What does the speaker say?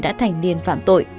đã thành niên phạm tội